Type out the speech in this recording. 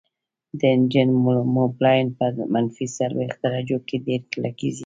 د انجن موبلاین په منفي څلوېښت درجو کې ډیر کلکیږي